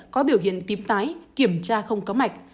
có biểu hiện tím tái kiểm tra không có mạch